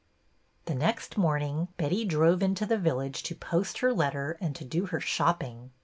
The next morning Betty drove into the village to post her letter and to do her shopping.